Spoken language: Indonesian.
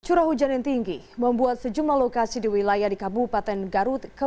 curah hujan yang tinggi membuat sejumlah lokasi di wilayah di kabupaten garut